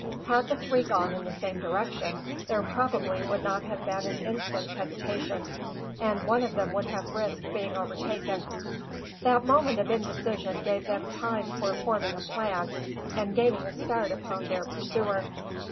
Had the three gone in the same direction, there probably would not have been an instant's hesitation, and one of them would have risked being overtaken. That moment of indecision gave them time for forming a plan, and gaining a start upon their pursuer.